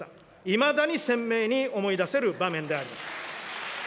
いまだに鮮明に思い出せる場面であります。